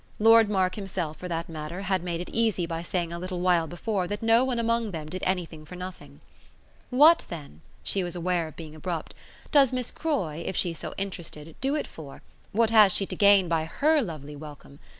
Lord Mark himself, for that matter, had made it easy by saying a little while before that no one among them did anything for nothing. "What then" she was aware of being abrupt "does Miss Croy, if she's so interested, do it for? What has she to gain by HER lovely welcome?